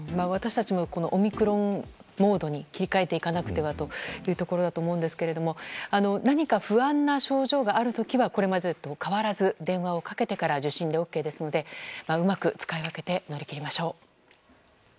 私たちもオミクロンモードに切り替えていかなくてはというところだと思いますが何か不安な症状がある時はこれまでと変わらず電話をかけてから受診でＯＫですのでうまく使い分けて乗り切りましょう。